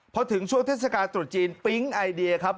พอถึงช่วงเทศกาลตรุษจีนปิ๊งไอเดียครับ